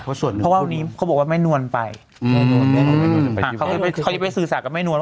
เพราะว่าวันนี้เขาบอกว่าแม่นวลไปเขาจะไปสื่อสารกับแม่นวลว่า